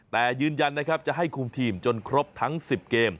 แต่ยืนยันจะให้คุมทีมจนครบทั้งสิบเกม